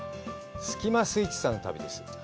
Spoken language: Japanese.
スキマスイッチさんの旅です。